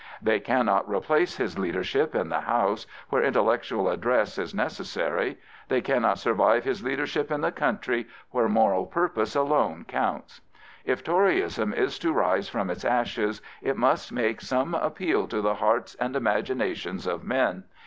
They cannot replace his leadership in the House, where intellectud address is necessary; they cannot survive his leadership in the country, where moral purpose alone counts. If Toryism is to rise from its ashes it must make some appeal to the hearts and imaginations of men.